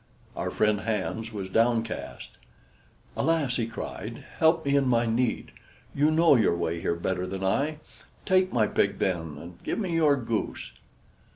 Our friend Hans was downcast. "Alas," he cried, "help me in my need! You know your way here better than I. Take my pig then, and give me your goose."